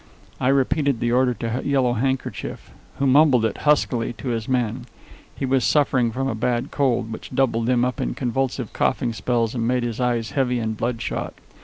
I repeated the order to Yellow Handkerchief, who mumbled it huskily to his men. He was suffering from a bad cold, which doubled him up in convulsive coughing spells and made his eyes heavy and bloodshot.